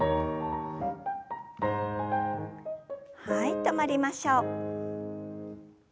はい止まりましょう。